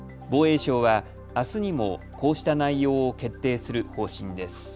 防衛省はあすにもこうした内容を決定する方針です。